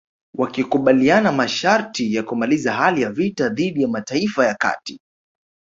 Wakikubaliana masharti ya kumaliza hali ya vita dhidi ya Mataifa ya Kati